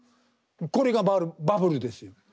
これがバブルですよ。